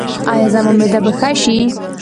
ایا زما معده به ښه شي؟